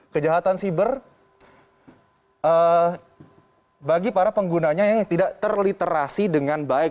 kejahatan siber bagi para penggunanya yang tidak terliterasi dengan baik